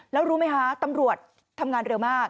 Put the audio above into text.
แล้วรู้ไหมคะตำรวจทำงานเร็วมาก